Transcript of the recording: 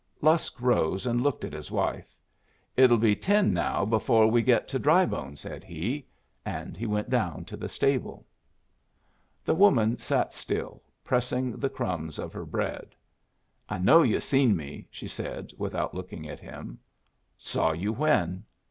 Lusk rose and looked at his wife. "It'll be ten now before we get to Drybone," said he. And he went down to the stable. The woman sat still, pressing the crumbs of her bread. "I know you seen me," she said, without looking at him. "Saw you when?"